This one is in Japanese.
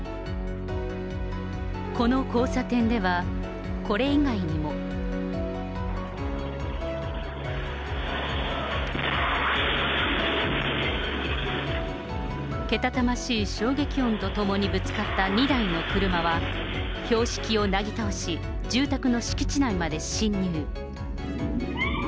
この交差点では、これ以外にも。けたたましい衝撃音とともにぶつかった２台の車は、標識をなぎ倒し、住宅の敷地内まで進入。